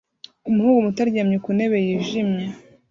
Umuhungu muto aryamye ku ntebe yijimye